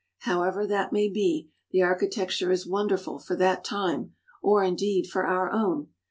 However that may be, the architecture is wonderful for that time, or, indeed, for our own.